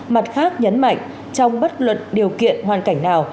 mặt khác nhấn mạnh trong bất luận điều kiện hoàn cảnh nào